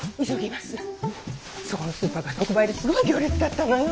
そこのスーパーが特売ですごい行列だったのよ。